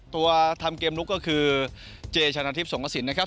ตัวทำเกมลุกก็คือเจชนะทิพย์สงกระสินนะครับ